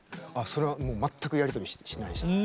それは全くやり取りしてない。